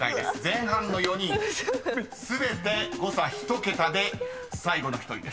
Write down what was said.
［前半の４人全て誤差１桁で最後の１人です］